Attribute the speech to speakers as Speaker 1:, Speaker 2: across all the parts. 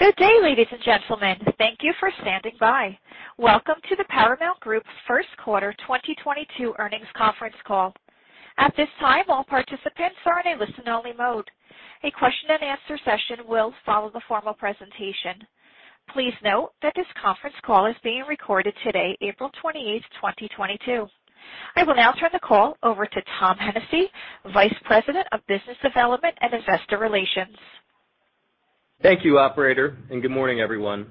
Speaker 1: Good day, ladies and gentlemen. Thank you for standing by. Welcome to the Paramount Group's first quarter 2022 earnings conference call. At this time, all participants are in a listen-only mode. A question and answer session will follow the formal presentation. Please note that this conference call is being recorded today, April 28, 2022. I will now turn the call over to Tom Hennessy, Vice President of Business Development and Investor Relations.
Speaker 2: Thank you, operator, and good morning, everyone.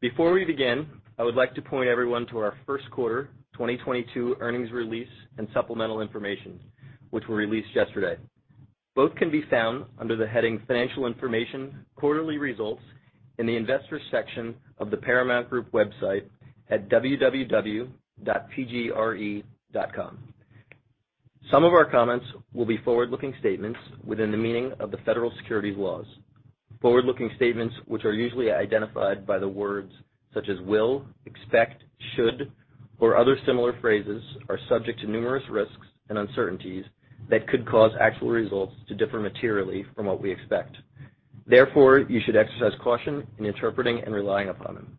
Speaker 2: Before we begin, I would like to point everyone to our first quarter 2022 earnings release and supplemental information, which were released yesterday. Both can be found under the heading Financial Information Quarterly Results in the Investors section of the Paramount Group website at www.pgre.com. Some of our comments will be forward-looking statements within the meaning of the federal securities laws. Forward-looking statements, which are usually identified by the words such as "will," "expect," "should," or other similar phrases, are subject to numerous risks and uncertainties that could cause actual results to differ materially from what we expect. Therefore, you should exercise caution in interpreting and relying upon them.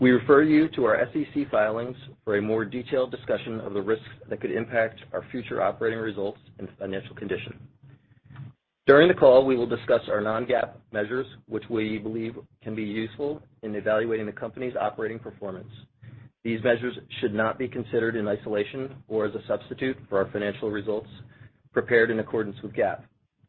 Speaker 2: We refer you to our SEC filings for a more detailed discussion of the risks that could impact our future operating results and financial condition. During the call, we will discuss our non-GAAP measures, which we believe can be useful in evaluating the company's operating performance. These measures should not be considered in isolation or as a substitute for our financial results prepared in accordance with GAAP.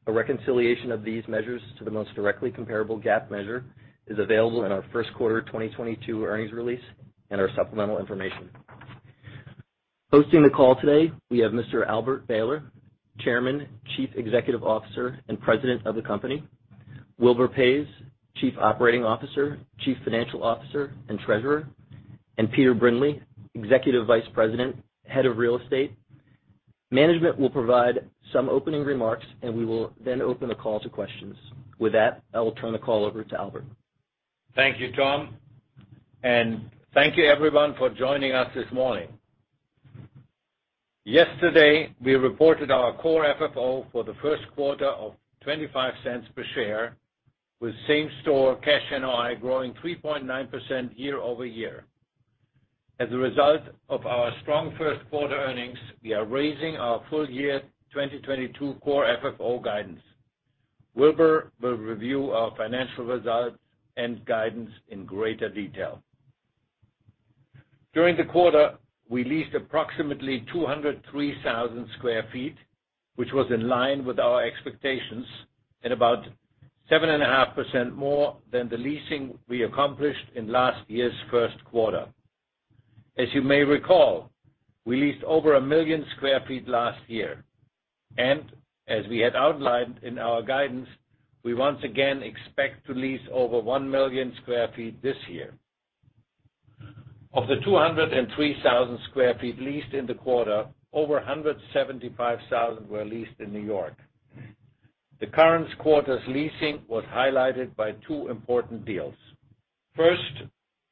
Speaker 2: A reconciliation of these measures to the most directly comparable GAAP measure is available in our first quarter 2022 earnings release and our supplemental information. Hosting the call today, we have Mr. Albert Behler, Chairman, Chief Executive Officer, and President of the company, Wilbur Paes, Chief Operating Officer, Chief Financial Officer, and Treasurer, and Peter Brindley, Executive Vice President, Head of Real Estate. Management will provide some opening remarks, and we will then open the call to questions. With that, I will turn the call over to Albert.
Speaker 3: Thank you, Tom, and thank you everyone for joining us this morning. Yesterday, we reported our core FFO for the first quarter of $0.25 per share, with same-store cash NOI growing 3.9% year-over-year. As a result of our strong first quarter earnings, we are raising our full year 2022 core FFO guidance. Wilbur will review our financial results and guidance in greater detail. During the quarter, we leased approximately 203,000 sq ft, which was in line with our expectations, and about 7.5% more than the leasing we accomplished in last year's first quarter. As you may recall, we leased over 1 million sq ft last year. As we had outlined in our guidance, we once again expect to lease over 1 million sq ft this year. Of the 203,000 sq ft leased in the quarter, over 175,000 sq ft were leased in New York. The current quarter's leasing was highlighted by two important deals. First,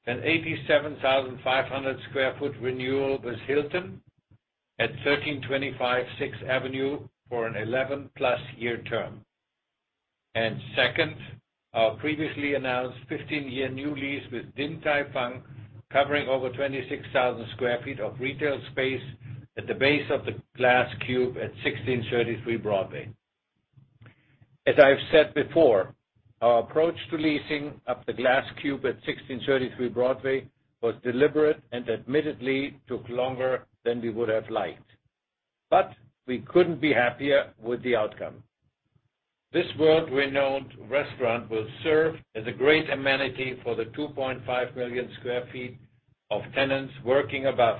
Speaker 3: an 87,500 sq ft renewal with Hilton at 1325 Sixth Avenue for an 11+ year term. Second, our previously announced 15-year new lease with Din Tai Fung, covering over 26,000 sq ft of retail space at the base of the Glass Cube at 1633 Broadway. As I've said before, our approach to leasing of the Glass Cube at 1633 Broadway was deliberate and admittedly took longer than we would have liked, but we couldn't be happier with the outcome. This world-renowned restaurant will serve as a great amenity for the 2.5 million sq ft of tenants working above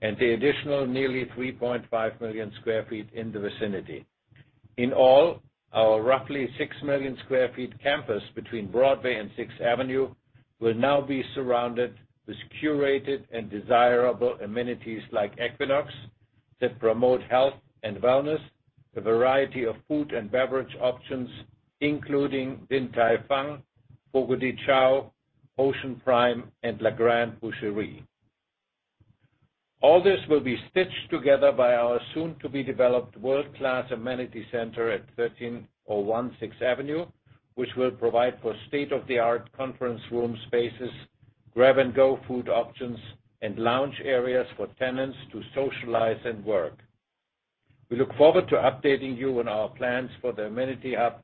Speaker 3: and the additional nearly 3.5 million sq ft in the vicinity. In all, our roughly 6 million sq ft campus between Broadway and Sixth Avenue will now be surrounded with curated and desirable amenities like Equinox that promote health and wellness, a variety of food and beverage options, including Din Tai Fung, Fogo de Chão, Ocean Prime, and La Grande Boucherie. All this will be stitched together by our soon to be developed world-class amenity center at 1301 Sixth Avenue, which will provide for state-of-the-art conference room spaces, grab-and-go food options, and lounge areas for tenants to socialize and work. We look forward to updating you on our plans for the amenity hub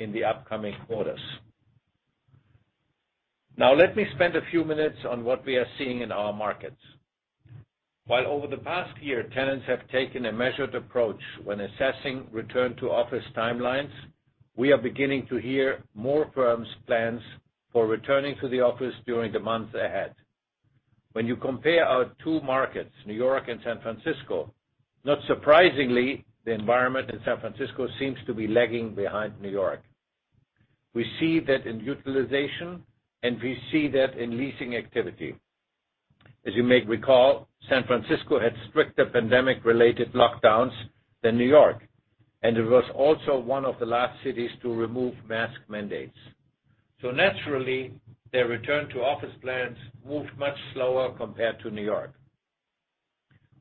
Speaker 3: in the upcoming quarters. Now let me spend a few minutes on what we are seeing in our markets. While over the past year, tenants have taken a measured approach when assessing return to office timelines, we are beginning to hear more firms' plans for returning to the office during the months ahead. When you compare our two markets, New York and San Francisco, not surprisingly, the environment in San Francisco seems to be lagging behind New York. We see that in utilization, and we see that in leasing activity. As you may recall, San Francisco had stricter pandemic-related lockdowns than New York, and it was also one of the last cities to remove mask mandates. Naturally, their return to office plans moved much slower compared to New York.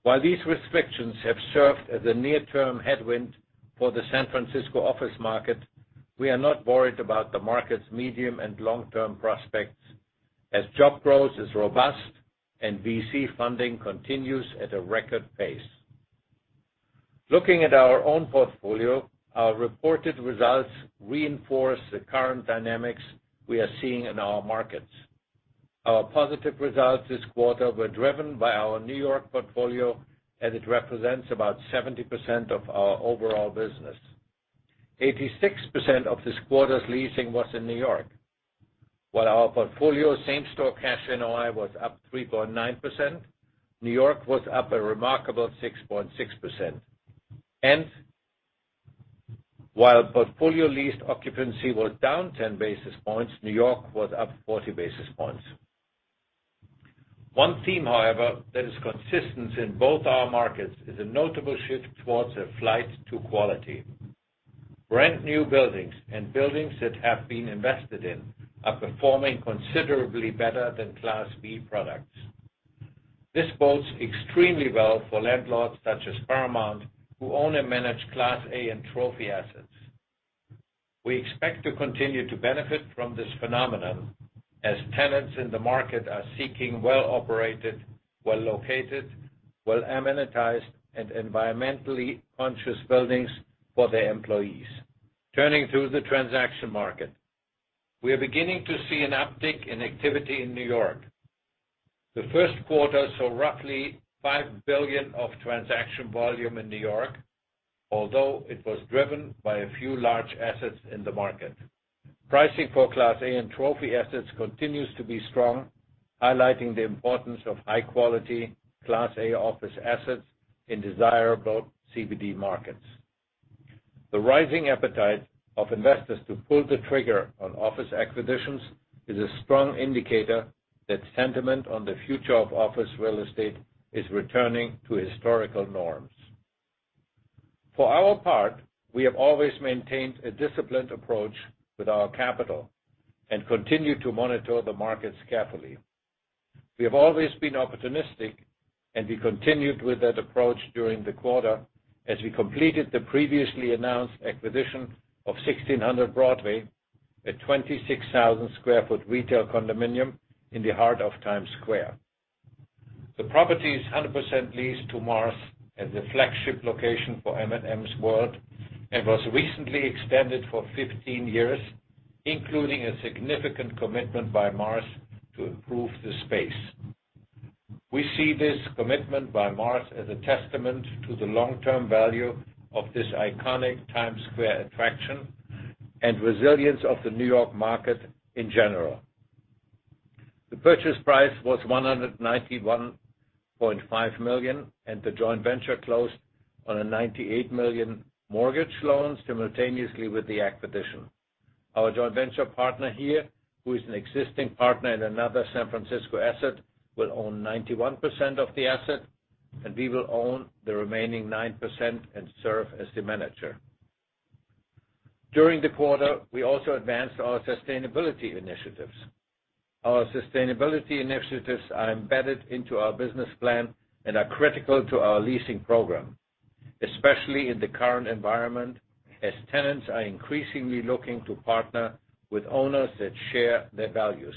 Speaker 3: While these restrictions have served as a near-term headwind for the San Francisco office market, we are not worried about the market's medium and long-term prospects, as job growth is robust and VC funding continues at a record pace. Looking at our own portfolio, our reported results reinforce the current dynamics we are seeing in our markets. Our positive results this quarter were driven by our New York portfolio, as it represents about 70% of our overall business. 86% of this quarter's leasing was in New York. While our portfolio same-store cash NOI was up 3.9%, New York was up a remarkable 6.6%. While portfolio leased occupancy was down 10 basis points, New York was up 40 basis points. One theme, however, that is consistent in both our markets is a notable shift towards a flight to quality. Brand-new buildings and buildings that have been invested in are performing considerably better than Class B products. This bodes extremely well for landlords such as Paramount, who own and manage Class A and trophy assets. We expect to continue to benefit from this phenomenon, as tenants in the market are seeking well-operated, well-located, well-amenitized, and environmentally conscious buildings for their employees. Turning to the transaction market. We are beginning to see an uptick in activity in New York. The first quarter saw roughly $5 billion of transaction volume in New York, although it was driven by a few large assets in the market. Pricing for Class A and trophy assets continues to be strong, highlighting the importance of high-quality Class A office assets in desirable CBD markets. The rising appetite of investors to pull the trigger on office acquisitions is a strong indicator that sentiment on the future of office real estate is returning to historical norms. For our part, we have always maintained a disciplined approach with our capital and continue to monitor the markets carefully. We have always been opportunistic, and we continued with that approach during the quarter as we completed the previously announced acquisition of 1600 Broadway, a 26,000 sq ft retail condominium in the heart of Times Square. The property is 100% leased to Mars as a flagship location for M&M's World and was recently extended for 15 years, including a significant commitment by Mars to improve the space. We see this commitment by Mars as a testament to the long-term value of this iconic Times Square attraction and resilience of the New York market in general. The purchase price was $191.5 million, and the joint venture closed on a $98 million mortgage loan simultaneously with the acquisition. Our joint venture partner here, who is an existing partner in another San Francisco asset, will own 91% of the asset, and we will own the remaining 9% and serve as the manager. During the quarter, we also advanced our sustainability initiatives. Our sustainability initiatives are embedded into our business plan and are critical to our leasing program, especially in the current environment, as tenants are increasingly looking to partner with owners that share their values.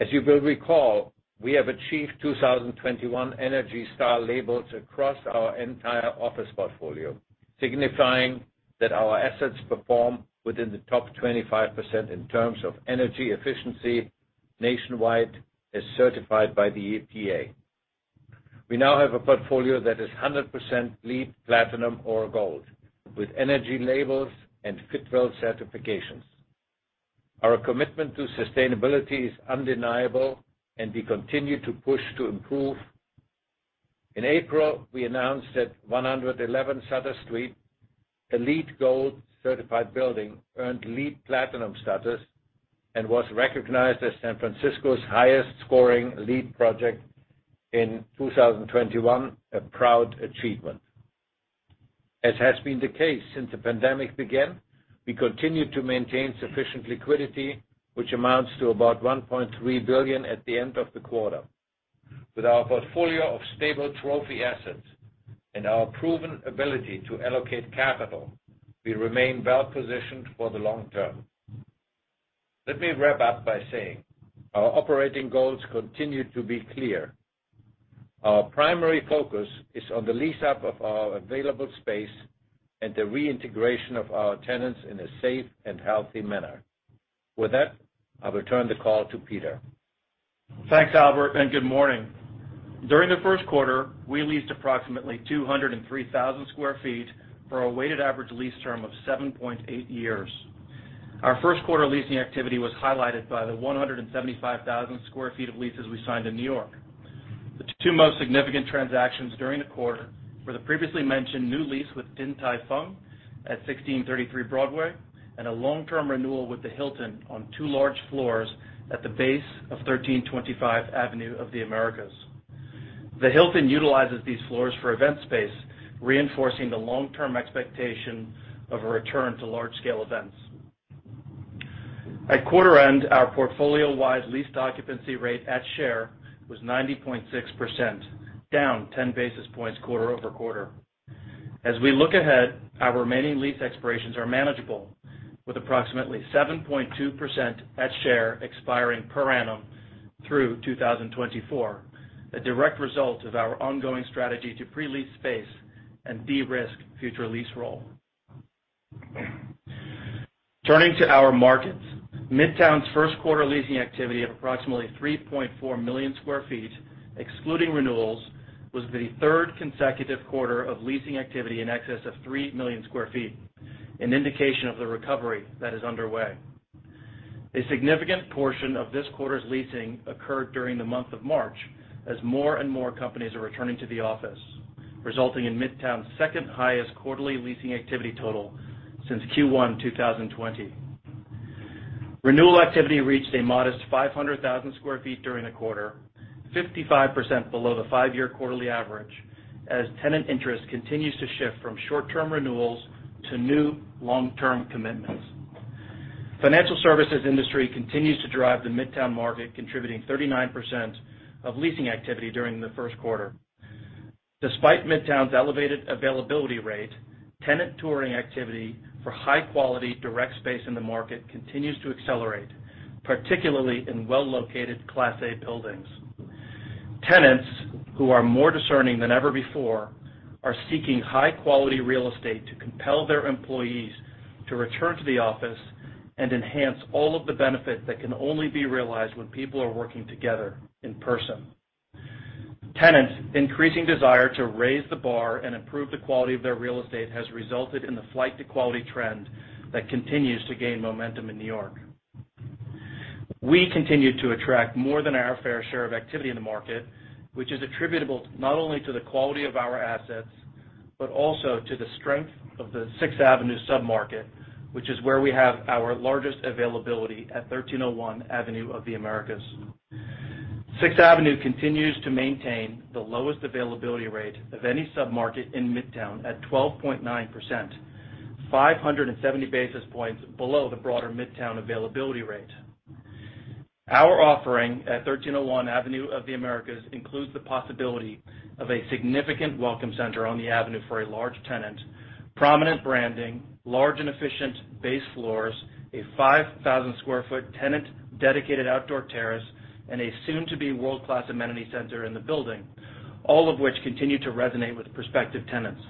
Speaker 3: As you will recall, we have achieved 2021 ENERGY STAR labels across our entire office portfolio, signifying that our assets perform within the top 25% in terms of energy efficiency nationwide, as certified by the EPA. We now have a portfolio that is 100% LEED Platinum or Gold with energy labels and Fitwel certifications. Our commitment to sustainability is undeniable, and we continue to push to improve. In April, we announced that 111 Sutter Street, a LEED Gold certified building, earned LEED Platinum status and was recognized as San Francisco's highest-scoring LEED project in 2021, a proud achievement. As has been the case since the pandemic began, we continue to maintain sufficient liquidity, which amounts to about $1.3 billion at the end of the quarter. With our portfolio of stable trophy assets and our proven ability to allocate capital, we remain well-positioned for the long term. Let me wrap up by saying our operating goals continue to be clear. Our primary focus is on the lease-up of our available space and the reintegration of our tenants in a safe and healthy manner. With that, I will turn the call to Peter.
Speaker 4: Thanks, Albert, and good morning. During the first quarter, we leased approximately 203,000 sq ft for a weighted average lease term of 7.8 years. Our first quarter leasing activity was highlighted by the 175,000 sq ft of leases we signed in New York. The two most significant transactions during the quarter were the previously mentioned new lease with Din Tai Fung at 1633 Broadway and a long-term renewal with the Hilton on two large floors at the base of 1325 Avenue of the Americas. The Hilton utilizes these floors for event space, reinforcing the long-term expectation of a return to large-scale events. At quarter end, our portfolio-wide lease occupancy rate at share was 90.6%, down 10 basis points quarter over quarter. As we look ahead, our remaining lease expirations are manageable, with approximately 7.2% at share expiring per annum through 2024, a direct result of our ongoing strategy to pre-lease space and de-risk future lease roll. Turning to our markets. Midtown's first quarter leasing activity of approximately 3.4 million sq ft, excluding renewals, was the third consecutive quarter of leasing activity in excess of 3 million sq ft, an indication of the recovery that is underway. A significant portion of this quarter's leasing occurred during the month of March, as more and more companies are returning to the office, resulting in Midtown's second highest quarterly leasing activity total since Q1 2020. Renewal activity reached a modest 500,000 sq ft during the quarter, 55% below the five-year quarterly average, as tenant interest continues to shift from short-term renewals to new long-term commitments. Financial services industry continues to drive the Midtown market, contributing 39% of leasing activity during the first quarter. Despite Midtown's elevated availability rate, tenant touring activity for high-quality direct space in the market continues to accelerate, particularly in well-located Class A buildings. Tenants who are more discerning than ever before are seeking high-quality real estate to compel their employees to return to the office and enhance all of the benefits that can only be realized when people are working together in person. Tenants' increasing desire to raise the bar and improve the quality of their real estate has resulted in the flight-to-quality trend that continues to gain momentum in New York. We continue to attract more than our fair share of activity in the market, which is attributable not only to the quality of our assets, but also to the strength of the Sixth Avenue submarket, which is where we have our largest availability at 1301 Avenue of the Americas. Sixth Avenue continues to maintain the lowest availability rate of any submarket in Midtown at 12.9%, 570 basis points below the broader Midtown availability rate. Our offering at 1301 Avenue of the Americas includes the possibility of a significant welcome center on the avenue for a large tenant, prominent branding, large and efficient base floors, a 5,000 sq ft tenant dedicated outdoor terrace, and a soon-to-be world-class amenity center in the building, all of which continue to resonate with prospective tenants.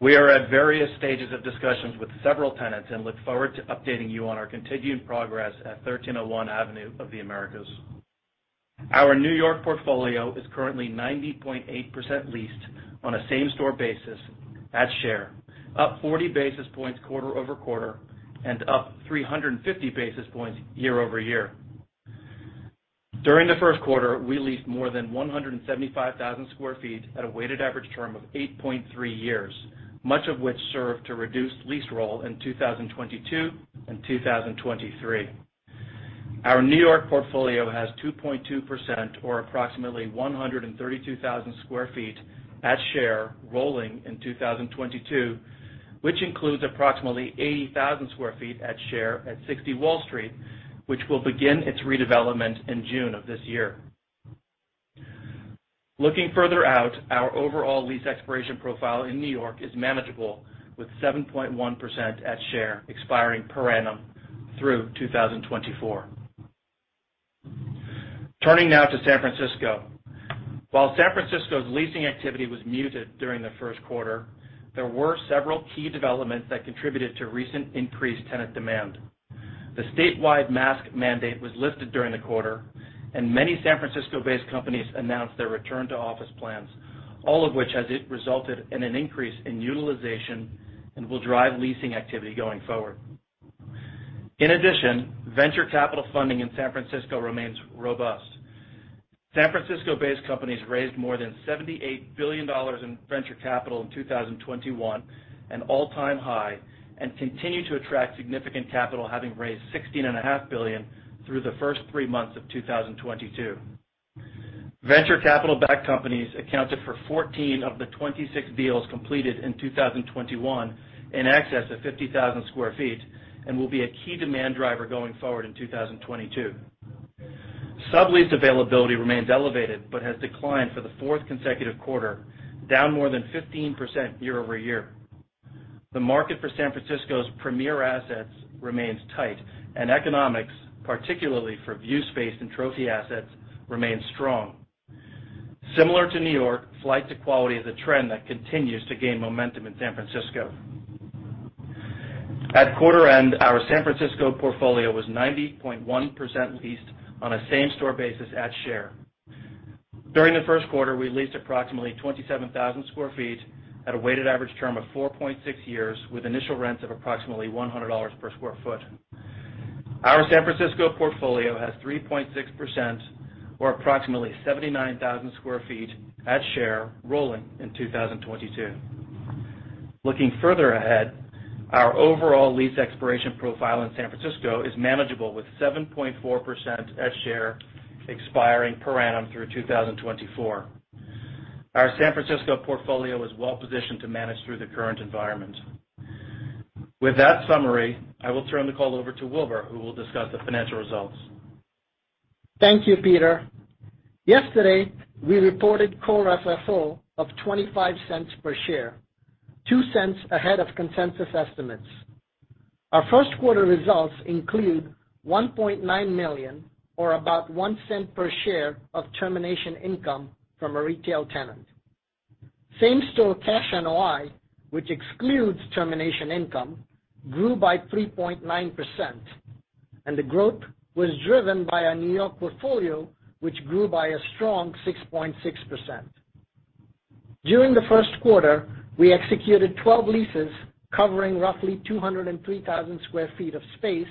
Speaker 4: We are at various stages of discussions with several tenants and look forward to updating you on our continued progress at 1301 Avenue of the Americas. Our New York portfolio is currently 90.8% leased on a same-store basis at share, up 40 basis points quarter-over-quarter and up 350 basis points year-over-year. During the first quarter, we leased more than 175,000 sq ft at a weighted average term of 8.3 years, much of which served to reduce lease roll in 2022 and 2023. Our New York portfolio has 2.2% or approximately 132,000 sq ft at share rolling in 2022, which includes approximately 80,000 sq ft at share at 60 Wall Street, which will begin its redevelopment in June of this year. Looking further out, our overall lease expiration profile in New York is manageable, with 7.1% at share expiring per annum through 2024. Turning now to San Francisco. While San Francisco's leasing activity was muted during the first quarter, there were several key developments that contributed to recent increased tenant demand. The statewide mask mandate was lifted during the quarter, and many San Francisco-based companies announced their return to office plans, all of which has resulted in an increase in utilization and will drive leasing activity going forward. In addition, venture capital funding in San Francisco remains robust. San Francisco-based companies raised more than $78 billion in venture capital in 2021, an all-time high, and continue to attract significant capital, having raised $16.5 billion through the first three months of 2022. Venture capital-backed companies accounted for 14 of the 26 deals completed in 2021 in excess of 50,000 sq ft and will be a key demand driver going forward in 2022. Sublease availability remains elevated but has declined for the fourth consecutive quarter, down more than 15% year-over-year. The market for San Francisco's premier assets remains tight, and economics, particularly for view space and trophy assets, remain strong. Similar to New York, flight to quality is a trend that continues to gain momentum in San Francisco. At quarter end, our San Francisco portfolio was 90.1% leased on a same-store basis at share. During the first quarter, we leased approximately 27,000 sq ft at a weighted average term of 4.6 years with initial rents of approximately $100 per square foot. Our San Francisco portfolio has 3.6% or approximately 79,000 sq ft at share rolling in 2022. Looking further ahead, our overall lease expiration profile in San Francisco is manageable, with 7.4% at share expiring per annum through 2024. Our San Francisco portfolio is well positioned to manage through the current environment. With that summary, I will turn the call over to Wilbur, who will discuss the financial results.
Speaker 5: Thank you, Peter. Yesterday, we reported core FFO of $0.25 per share, $0.02 ahead of consensus estimates. Our first quarter results include $1.9 million or about $0.01 per share of termination income from a retail tenant. Same-store cash NOI, which excludes termination income, grew by 3.9%, and the growth was driven by our New York portfolio, which grew by a strong 6.6%. During the first quarter, we executed 12 leases covering roughly 203,000 sq ft of space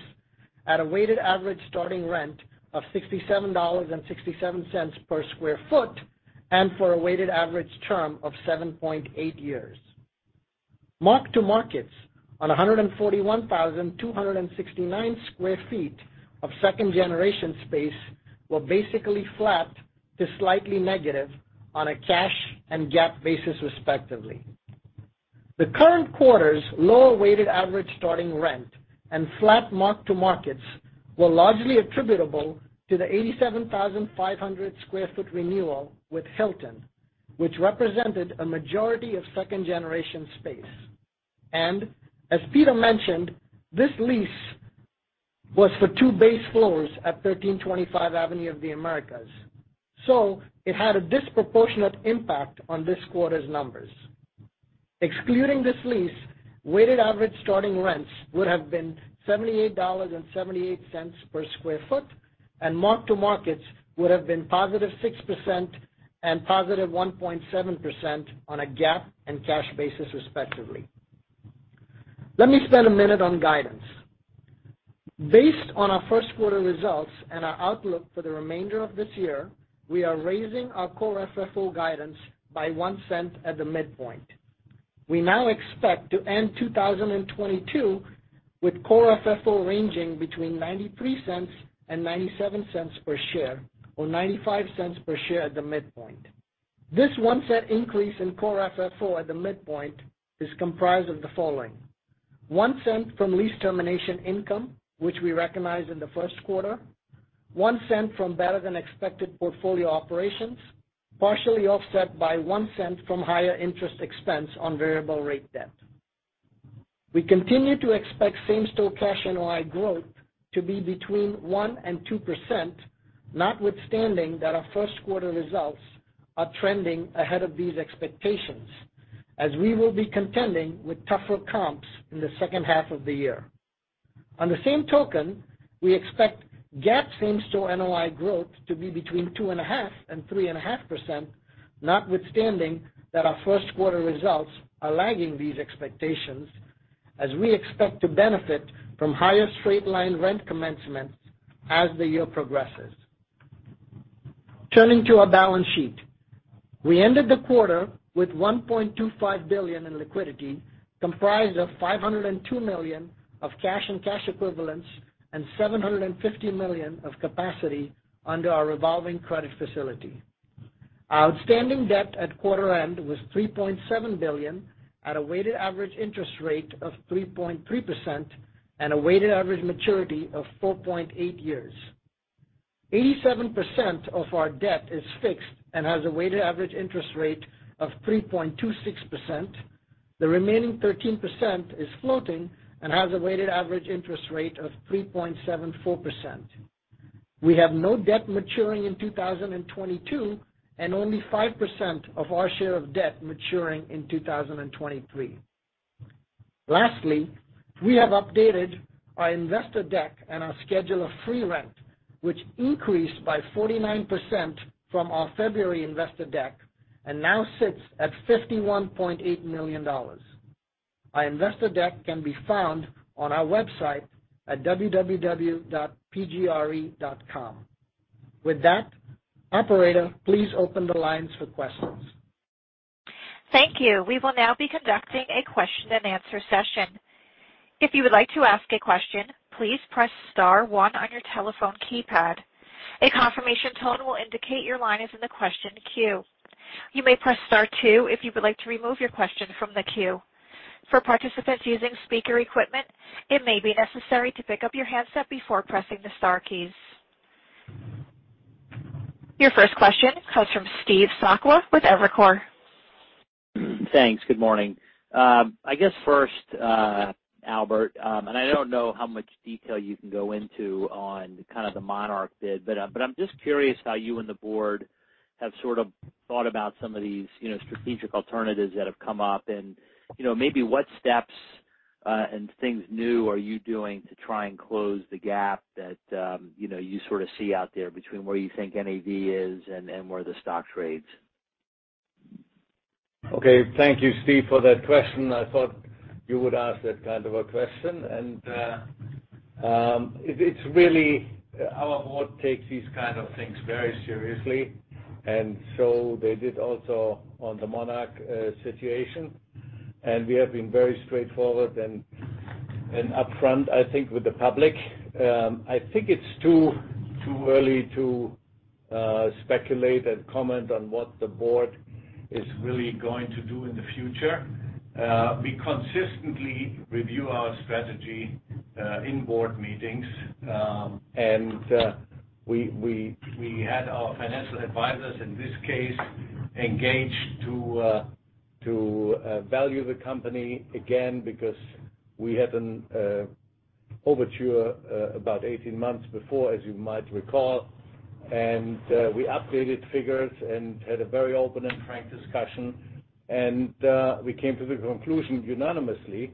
Speaker 5: at a weighted average starting rent of $67.67 per square foot and for a weighted average term of 7.8 years. Mark-to-markets on 141,269 sq ft of second-generation space were basically flat to slightly negative on a cash and GAAP basis, respectively. The current quarter's lower weighted average starting rent and flat mark-to-markets were largely attributable to the 87,500 sq ft renewal with Hilton, which represented a majority of second-generation space. As Peter mentioned, this lease was for two base floors at 1325 Avenue of the Americas, so it had a disproportionate impact on this quarter's numbers. Excluding this lease, weighted average starting rents would have been $78.78 per square foot, and mark-to-markets would have been +6% and +1.7% on a GAAP and cash basis, respectively. Let me spend a minute on guidance. Based on our first quarter results and our outlook for the remainder of this year, we are raising our core FFO guidance by $0.01 at the midpoint. We now expect to end 2022 with core FFO ranging between $0.93 and $0.97 per share or $0.95 per share at the midpoint. This $0.01 increase in core FFO at the midpoint is comprised of the following, $0.01 from lease termination income, which we recognized in the first quarter, $0.01 from better-than-expected portfolio operations, partially offset by $0.01 from higher interest expense on variable rate debt. We continue to expect same-store cash NOI growth to be between 1% and 2%, notwithstanding that our first quarter results are trending ahead of these expectations, as we will be contending with tougher comps in the second half of the year. On the same token, we expect GAAP same-store NOI growth to be between 2.5% and 3.5%, notwithstanding that our first quarter results are lagging these expectations as we expect to benefit from higher straight-line rent commencements as the year progresses. Turning to our balance sheet. We ended the quarter with $1.25 billion in liquidity, comprised of $502 million of cash and cash equivalents and $750 million of capacity under our revolving credit facility. Our outstanding debt at quarter end was $3.7 billion at a weighted average interest rate of 3.3% and a weighted average maturity of 4.8 years. 87% of our debt is fixed and has a weighted average interest rate of 3.26%. The remaining 13% is floating and has a weighted average interest rate of 3.74%. We have no debt maturing in 2022, and only 5% of our share of debt maturing in 2023. Lastly, we have updated our investor deck and our schedule of free rent, which increased by 49% from our February investor deck and now sits at $51.8 million. Our investor deck can be found on our website at www.pgre.com. With that, operator, please open the lines for questions.
Speaker 1: Thank you. We will now be conducting a question-and-answer session. If you would like to ask a question, please press star one on your telephone keypad. A confirmation tone will indicate your line is in the question queue. You may press star two if you would like to remove your question from the queue. For participants using speaker equipment, it may be necessary to pick up your handset before pressing the star keys. Your first question comes from Steve Sakwa with Evercore.
Speaker 6: Thanks. Good morning. I guess first, Albert, and I don't know how much detail you can go into on kind of the Monarch bid, but I'm just curious how you and the Board have sort of thought about some of these, you know, strategic alternatives that have come up. You know, maybe what steps and things new are you doing to try and close the gap that, you know, you sort of see out there between where you think NAV is and where the stock trades?
Speaker 3: Okay. Thank you, Steve, for that question. I thought you would ask that kind of a question. It's really our Board takes these kind of things very seriously. They did also on the Monarch situation. We have been very straightforward and upfront, I think with the public, I think it's too early to speculate and comment on what the board is really going to do in the future. We consistently review our strategy in board meetings, and we had our financial advisors in this case engaged to value the company again because we had an overture about 18 months before, as you might recall. We updated figures and had a very open and frank discussion. We came to the conclusion unanimously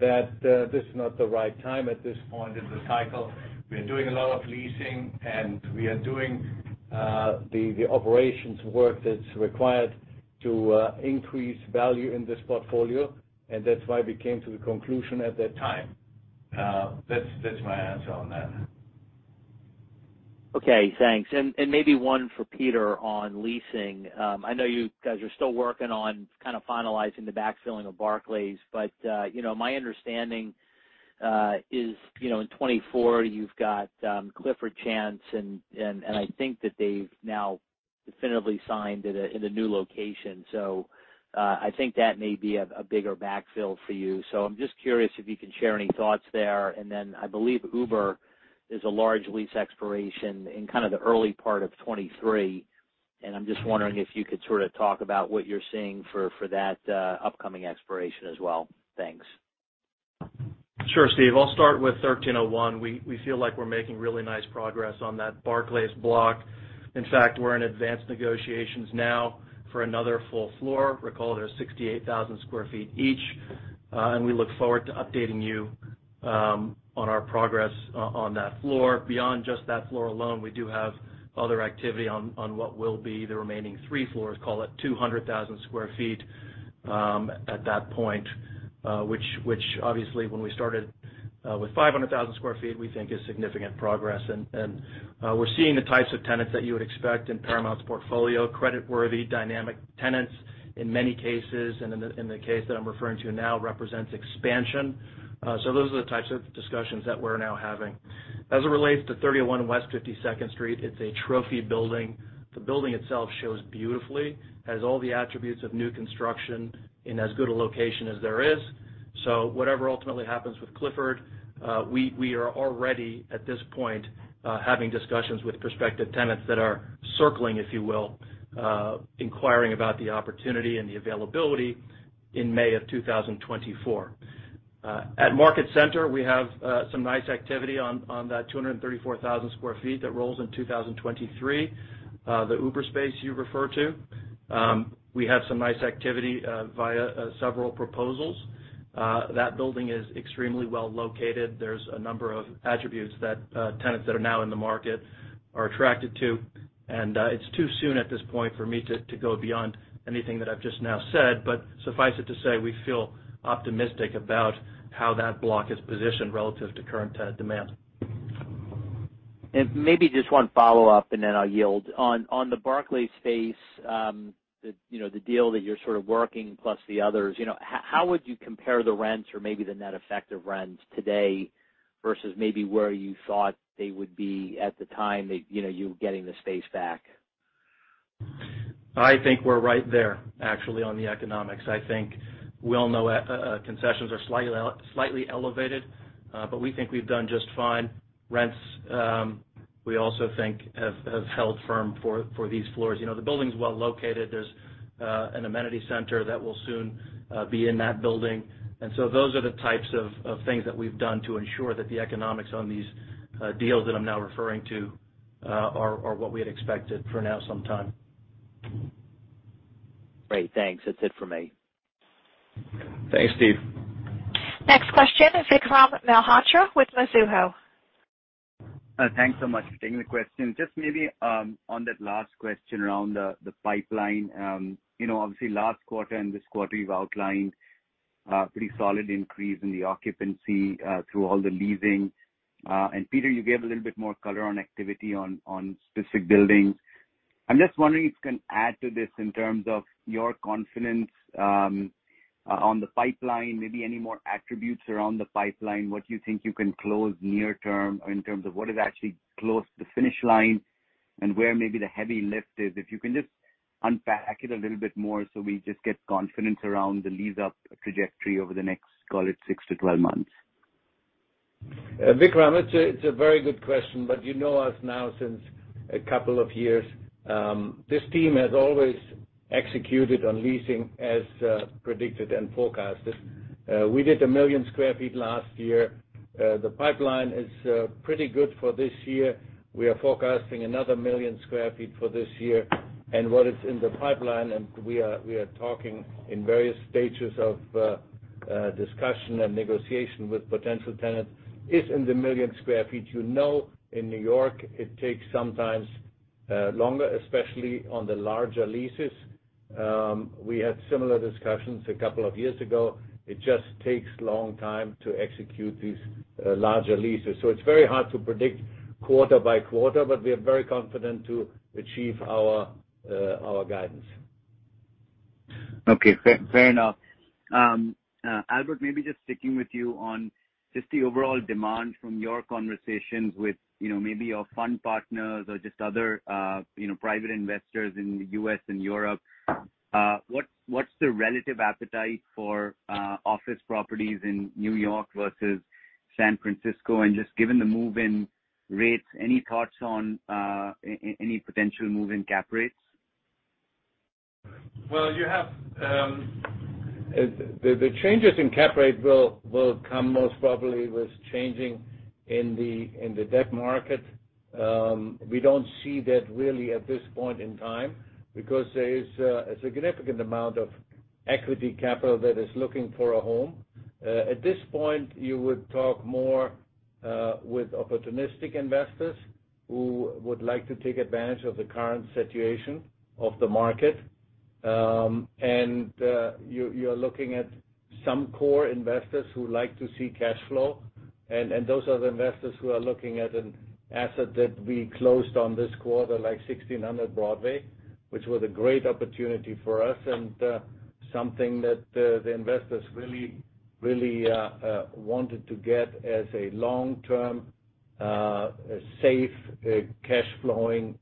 Speaker 3: that this is not the right time at this point in the cycle. We are doing a lot of leasing, and we are doing the operations work that's required to increase value in this portfolio, and that's why we came to the conclusion at that time. That's my answer on that.
Speaker 6: Okay, thanks. Maybe one for Peter on leasing. I know you guys are still working on kind of finalizing the backfilling of Barclays, but you know, my understanding is you know, in 2024 you've got Clifford Chance and I think that they've now definitively signed in a new location. I think that may be a bigger backfill for you. I'm just curious if you can share any thoughts there. Then I believe Uber is a large lease expiration in kind of the early part of 2023, and I'm just wondering if you could sort of talk about what you're seeing for that upcoming expiration as well. Thanks.
Speaker 4: Sure, Steve. I'll start with 1301. We feel like we're making really nice progress on that Barclays block. In fact, we're in advanced negotiations now for another full floor. Recall they're 68,000 sq ft each. We look forward to updating you on our progress on that floor. Beyond just that floor alone, we do have other activity on what will be the remaining three floors, call it 200,000 sq ft at that point, which obviously when we started with 500,000 sq ft, we think is significant progress. We're seeing the types of tenants that you would expect in Paramount's portfolio, creditworthy, dynamic tenants in many cases, and in the case that I'm referring to now represents expansion. Those are the types of discussions that we're now having. As it relates to 31 West 52nd Street, it's a trophy building. The building itself shows beautifully. Has all the attributes of new construction in as good a location as there is. Whatever ultimately happens with Clifford Chance, we are already, at this point, having discussions with prospective tenants that are circling, if you will, inquiring about the opportunity and the availability in May 2024. At Market Center, we have some nice activity on that 234,000 sq ft that rolls in 2023. The Uber space you refer to, we have some nice activity via several proposals. That building is extremely well-located. There's a number of attributes that tenants that are now in the market are attracted to. It's too soon at this point for me to go beyond anything that I've just now said, but suffice it to say we feel optimistic about how that block is positioned relative to current tenant demand.
Speaker 6: Maybe just one follow-up, and then I'll yield. On the Barclays space, you know, the deal that you're sort of working plus the others, you know, how would you compare the rents or maybe the net effect of rents today versus maybe where you thought they would be at the time that, you know, you were getting the space back?
Speaker 4: I think we're right there actually on the economics. I think we all know, concessions are slightly elevated, but we think we've done just fine. Rents, we also think have held firm for these floors. You know, the building's well located. There's an amenity center that will soon be in that building. Those are the types of things that we've done to ensure that the economics on these deals that I'm now referring to are what we had expected for some time now.
Speaker 6: Great. Thanks. That's it for me.
Speaker 4: Thanks, Steve.
Speaker 1: Next question, Vikram Malhotra with Mizuho.
Speaker 7: Thanks so much for taking the question. Just maybe on that last question around the pipeline. You know, obviously last quarter and this quarter you've outlined a pretty solid increase in the occupancy through all the leasing. Peter, you gave a little bit more color on activity on specific buildings. I'm just wondering if you can add to this in terms of your confidence on the pipeline, maybe any more attributes around the pipeline, what you think you can close near term in terms of what is actually close to the finish line and where maybe the heavy lift is. If you can just unpack it a little bit more so we just get confidence around the lease-up trajectory over the next, call it six to 12 months.
Speaker 3: Vikram, it's a very good question, but you know us now since a couple of years. This team has always executed on leasing as predicted and forecasted. We did 1 million sq ft last year. The pipeline is pretty good for this year. We are forecasting another 1 million sq ft for this year. What is in the pipeline, we are talking in various stages of discussion and negotiation with potential tenants, is in the 1 million sq ft. You know, in New York, it takes sometimes longer, especially on the larger leases. We had similar discussions a couple of years ago. It just takes long time to execute these larger leases. It's very hard to predict quarter by quarter, but we are very confident to achieve our guidance.
Speaker 7: Okay. Fair enough. Albert, maybe just sticking with you on just the overall demand from your conversations with, you know, maybe your fund partners or just other, you know, private investors in the U.S. and Europe. What's the relative appetite for office properties in New York versus San Francisco? Just given the move in rates, any thoughts on any potential move in cap rates?
Speaker 3: Well, you have the changes in cap rate will come most probably with changing in the debt market. We don't see that really at this point in time because there is a significant amount of equity capital that is looking for a home. At this point, you would talk more with opportunistic investors who would like to take advantage of the current situation of the market. You're looking at some core investors who like to see cash flow. Those are the investors who are looking at an asset that we closed on this quarter, like 1600 Broadway, which was a great opportunity for us and something that the investors really wanted to get as a long-term safe cash flowing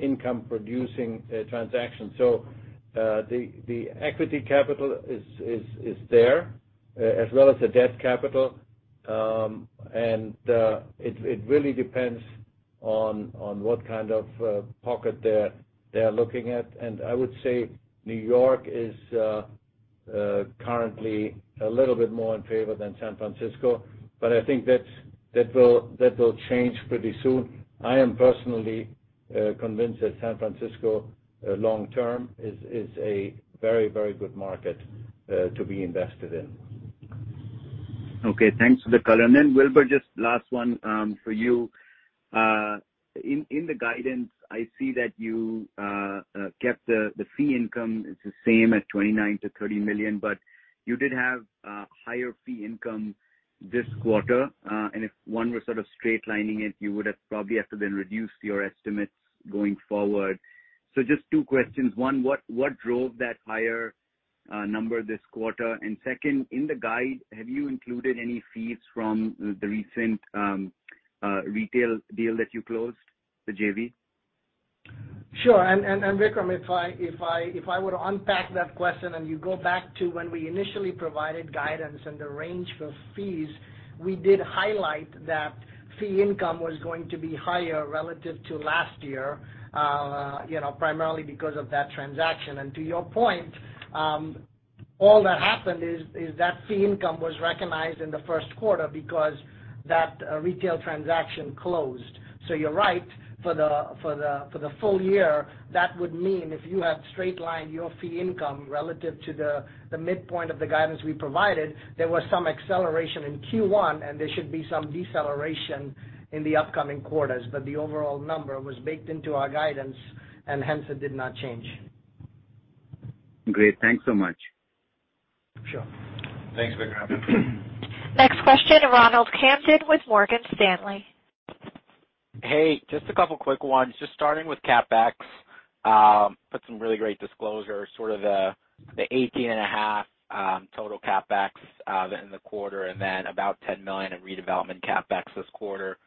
Speaker 3: income producing transaction. The equity capital is there, as well as the debt capital. It really depends on what kind of pocket they're looking at. I would say New York is currently a little bit more in favor than San Francisco, but I think that will change pretty soon. I am personally convinced that San Francisco, long term, is a very, very good market to be invested in.
Speaker 7: Okay, thanks for the color. Then Wilbur, just last one for you. In the guidance, I see that you kept the fee income; it's the same at $29 million-$30 million, but you did have higher fee income this quarter. If one were sort of straight-lining it, you would probably have to then reduce your estimates going forward. Just two questions. One, what drove that higher number this quarter? And second, in the guide, have you included any fees from the recent retail deal that you closed, the JV?
Speaker 5: Sure. Vikram, if I were to unpack that question and you go back to when we initially provided guidance and the range for fees, we did highlight that fee income was going to be higher relative to last year, you know, primarily because of that transaction. To your point, all that happened is that fee income was recognized in the first quarter because that retail transaction closed. You're right. For the full year, that would mean if you had straight-lined your fee income relative to the midpoint of the guidance we provided, there was some acceleration in Q1, and there should be some deceleration in the upcoming quarters. The overall number was baked into our guidance, and hence, it did not change.
Speaker 7: Great. Thanks so much.
Speaker 5: Sure.
Speaker 3: Thanks, Vikram.
Speaker 1: Next question, Ronald Kamdem with Morgan Stanley.
Speaker 8: Hey, just a couple of quick ones. Just starting with CapEx, put some really great disclosure, sort of the $18.5 million total CapEx in the quarter, and then about $10 million in redevelopment CapEx this quarter.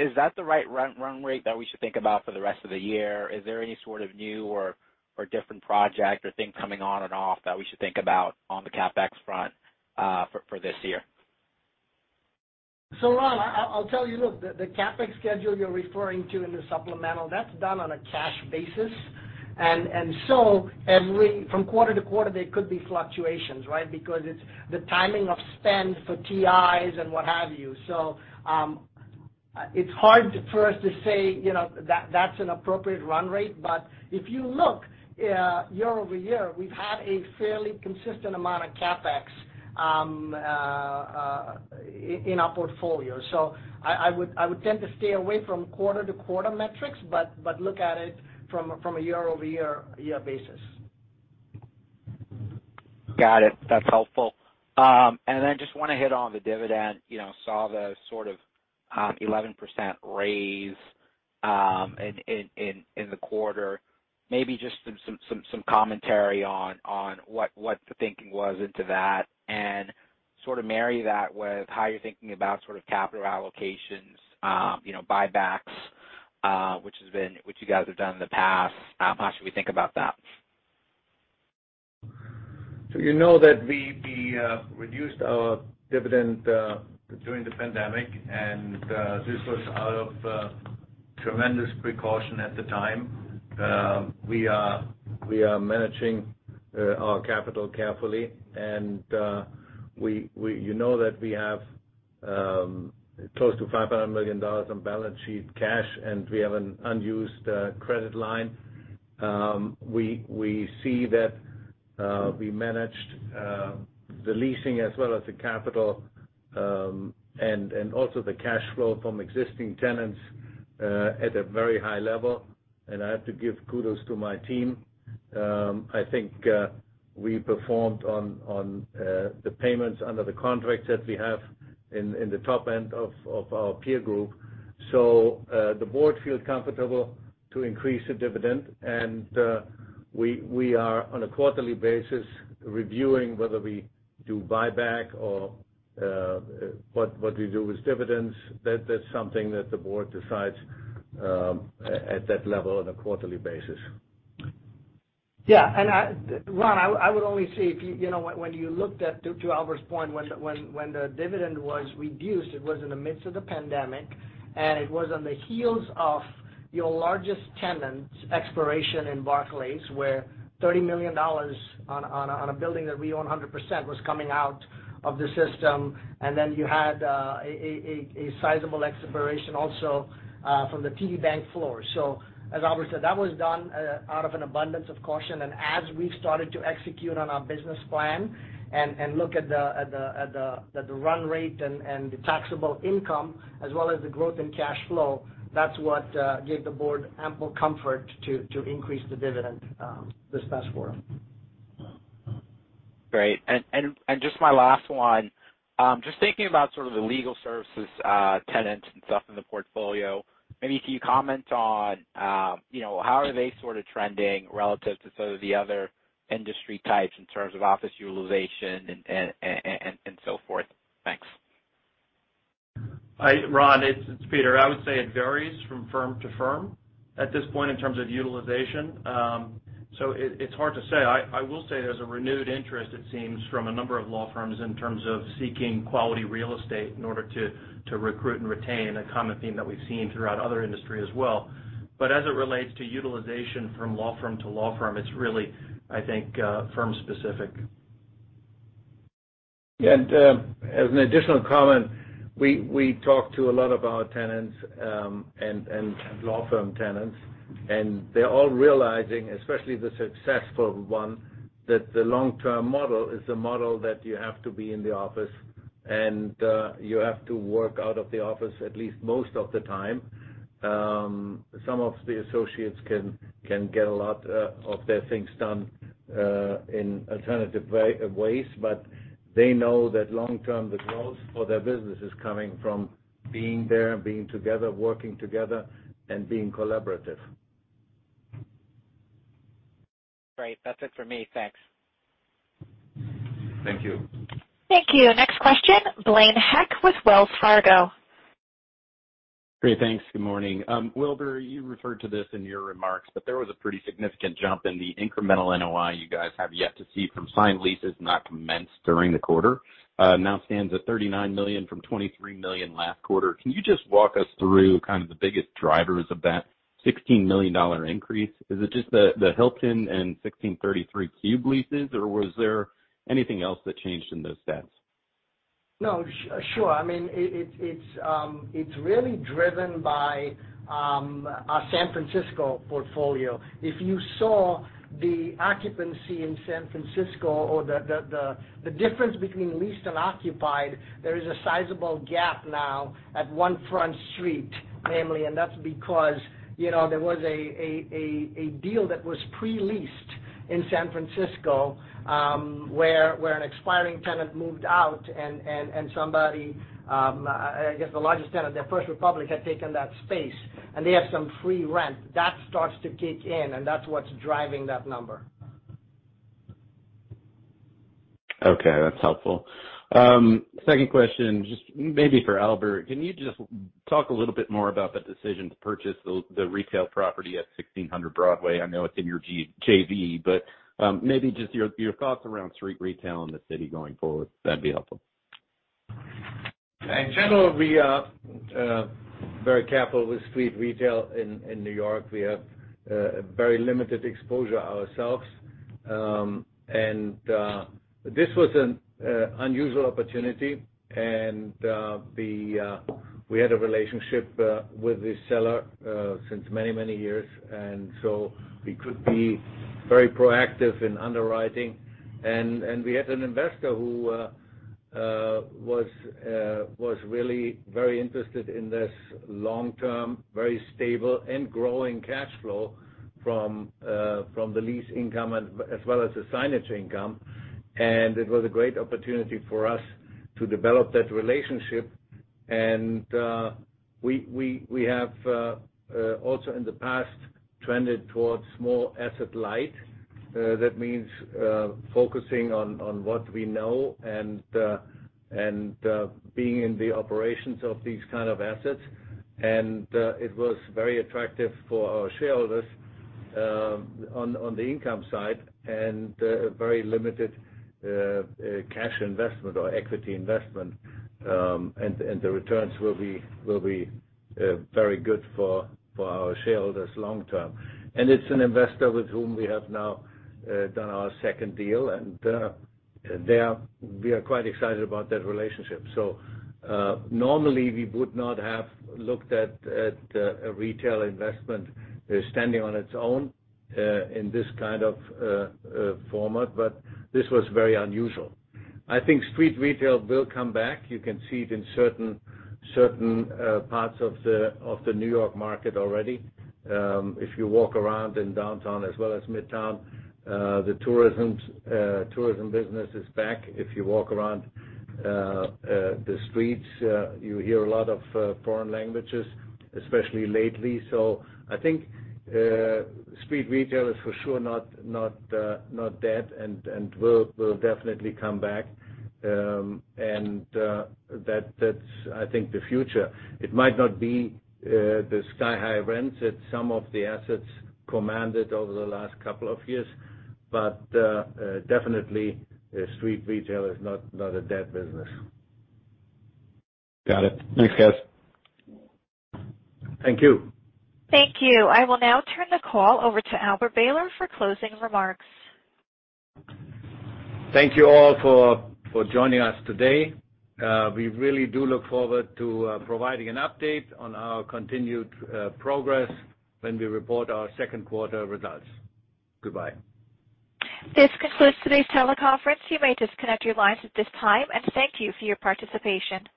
Speaker 8: Is that the right run rate that we should think about for the rest of the year? Is there any sort of new or different project or thing coming on and off that we should think about on the CapEx front for this year?
Speaker 5: Ron, I'll tell you, look, the CapEx schedule you're referring to in the supplemental, that's done on a cash basis. From quarter to quarter, there could be fluctuations, right? Because it's the timing of spend for TIs and what have you. It's hard for us to say, you know, that's an appropriate run rate. If you look year-over-year, we've had a fairly consistent amount of CapEx in our portfolio. I would tend to stay away from quarter-to-quarter metrics, but look at it from a year-over-year basis.
Speaker 8: Got it. That's helpful. I just wanna hit on the dividend, you know, saw the sort of 11% raise in the quarter. Maybe just some commentary on what the thinking was into that and sort of marry that with how you're thinking about sort of capital allocations, you know, buybacks, which you guys have done in the past. How should we think about that?
Speaker 3: You know that we reduced our dividend during the pandemic, and this was out of tremendous precaution at the time. We are managing our capital carefully, and we... You know that we have close to $500 million on balance sheet cash, and we have an unused credit line. We see that we managed the leasing as well as the capital, and also the cash flow from existing tenants at a very high level. I have to give kudos to my team. I think we performed on the payments under the contracts that we have in the top end of our peer group. The board feels comfortable to increase the dividend, and we are on a quarterly basis reviewing whether we do buyback or what we do with dividends. That's something that the board decides at that level on a quarterly basis.
Speaker 5: Yeah. Ron, I would only say if you know, when you looked at to Albert's point, when the dividend was reduced, it was in the midst of the pandemic, and it was on the heels of your largest tenant's expiration in Barclays, where $30 million on a building that we own 100% was coming out of the system. Then you had a sizable expiration also from the TD Bank floor. As Albert said, that was done out of an abundance of caution. As we started to execute on our business plan and look at the run rate and the taxable income as well as the growth in cash flow, that's what gave the Board ample comfort to increase the dividend this past quarter.
Speaker 8: Great. Just my last one, just thinking about sort of the legal services tenants and stuff in the portfolio, maybe can you comment on, you know, how are they sort of trending relative to sort of the other industry types in terms of office utilization and so forth? Thanks.
Speaker 4: Hi, Ron, it's Peter. I would say it varies from firm to firm at this point in terms of utilization. It's hard to say. I will say there's a renewed interest, it seems, from a number of law firms in terms of seeking quality real estate in order to recruit and retain, a common theme that we've seen throughout other industry as well. As it relates to utilization from law firm to law firm, it's really, I think, firm-specific.
Speaker 3: As an additional comment, we talk to a lot of our tenants, and law firm tenants, and they're all realizing, especially the successful ones, that the long-term model is the model that you have to be in the office, and you have to work out of the office at least most of the time. Some of the associates can get a lot of their things done in alternative ways, but they know that long term, the growth for their business is coming from being there, being together, working together, and being collaborative.
Speaker 8: Great. That's it for me. Thanks.
Speaker 3: Thank you.
Speaker 1: Thank you. Next question, Blaine Heck with Wells Fargo.
Speaker 9: Great. Thanks. Good morning. Wilbur, you referred to this in your remarks, but there was a pretty significant jump in the incremental NOI you guys have yet to see from signed leases not commenced during the quarter. Now stands at $39 million from $23 million last quarter. Can you just walk us through kind of the biggest drivers of that $16 million increase? Is it just the Hilton and 1633 Broadway leases, or was there anything else that changed in those stats?
Speaker 5: No, sure. I mean, it's really driven by our San Francisco portfolio. If you saw the occupancy in San Francisco or the difference between leased and occupied, there is a sizable gap now at One Front Street, mainly, and that's because, you know, there was a deal that was pre-leased in San Francisco, where an expiring tenant moved out and somebody, I guess, the largest tenant there, First Republic, had taken that space, and they have some free rent. That starts to kick in, and that's what's driving that number.
Speaker 9: Okay, that's helpful. Second question, just maybe for Albert. Can you just talk a little bit more about the decision to purchase the retail property at 1600 Broadway? I know it's in your JV, but maybe just your thoughts around street retail in the city going forward, that'd be helpful.
Speaker 3: In general, we are very careful with street retail in New York. We have a very limited exposure ourselves. This was an unusual opportunity, and we had a relationship with the seller since many years, and so we could be very proactive in underwriting. We had an investor who was really very interested in this long-term, very stable and growing cash flow from the lease income and as well as the signage income. It was a great opportunity for us to develop that relationship. We have also in the past trended towards more asset light. That means focusing on what we know and being in the operations of these kind of assets. It was very attractive for our shareholders on the income side and very limited cash investment or equity investment. The returns will be very good for our shareholders long term. It's an investor with whom we have now done our second deal, and we are quite excited about that relationship. Normally, we would not have looked at a retail investment standing on its own in this kind of format, but this was very unusual. I think street retail will come back. You can see it in certain parts of the New York market already. If you walk around in Downtown as well as Midtown, the tourism business is back. If you walk around the streets, you hear a lot of foreign languages, especially lately. I think street retail is for sure not dead and will definitely come back. That's, I think, the future. It might not be the sky-high rents that some of the assets commanded over the last couple of years, but definitely street retail is not a dead business.
Speaker 9: Got it. Thanks, guys.
Speaker 3: Thank you.
Speaker 1: Thank you. I will now turn the call over to Albert Behler for closing remarks.
Speaker 3: Thank you all for joining us today. We really do look forward to providing an update on our continued progress when we report our second quarter results. Goodbye.
Speaker 1: This concludes today's teleconference. You may disconnect your lines at this time, and thank you for your participation.